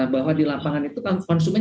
bahwa di lapangan itu kan konsumen